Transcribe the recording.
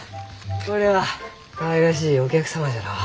これはかわいらしいお客様じゃのう。